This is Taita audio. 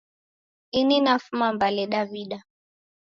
Ini nafuma Mbale Dawida